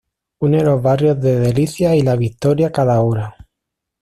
Une los barrios de Delicias y La Victoria cada hora.